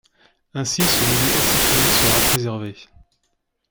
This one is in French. Ainsi ce milieu exceptionnel serait préservé.